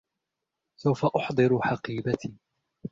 سوفَ أُحضرُ حقيبتي.